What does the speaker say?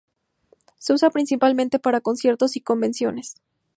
Se usa principalmente para conciertos y convenciones.